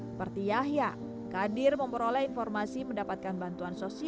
seperti yahya kadir memperoleh informasi mendapatkan bantuan sosial